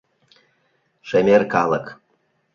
Шемер калык.